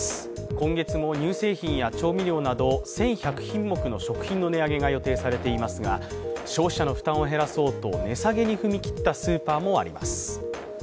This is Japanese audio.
今月も乳製品や調味料など１１００品目の食品の値上げが予定されていますが、消費者の負担を減らそうと値下げに踏み切ったスーパーもあります。